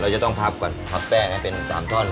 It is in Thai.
จะต้องพับก่อนพับแป้งให้เป็น๓ท่อน